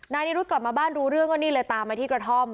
นายนิรุธกลับมาบ้านรู้เรื่องก็นี่เลยตามมาที่กระท่อม